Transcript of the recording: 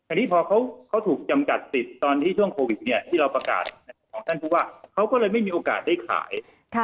อันนี้พอเขาถูกจำกัดติดตอนที่ช่วงโควิดเนี่ยที่เราประกาศของท่านผู้ว่าเขาก็เลยไม่มีโอกาสได้ขาย